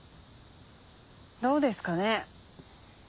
どうですかね。